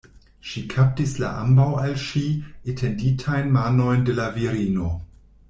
Ŝi kaptis la ambaŭ al ŝi etenditajn manojn de la virino.